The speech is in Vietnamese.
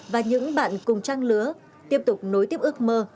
và những bạn cùng trang lứa tiếp tục nối tiếp ước mơ